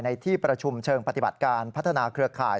ในที่ประชุมเชิงปฏิบัติการพัฒนาเครือข่าย